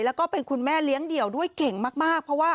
แล้วก็เป็นคุณแม่เลี้ยงเดี่ยวด้วยเก่งมากเพราะว่า